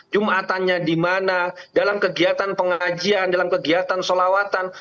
jumatannya di mana dalam kegiatan pengajian dalam kegiatan solawatan